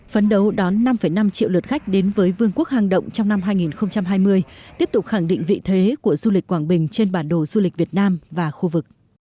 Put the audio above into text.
phấn đấu đón năm năm triệu lượt khách đến với vương quốc hàng động trong năm hai nghìn hai mươi tiếp tục khẳng định vị thế của du lịch quảng bình trên bản đồ du lịch việt nam và khu vực